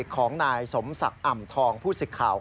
ของนายสมศักดิ์อ่ำทองผู้สิทธิ์ข่าว